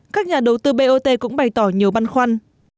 các nhà đầu tư bot cũng bày tỏ nhiều băn khoăn